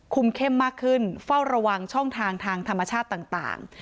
เข้มมากขึ้นเฝ้าระวังช่องทางทางธรรมชาติต่าง